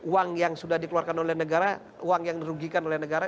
uang yang sudah dikeluarkan oleh negara uang yang dirugikan oleh negara